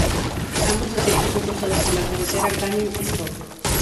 Ambos desiertos son cruzados por la carretera Canning Stock.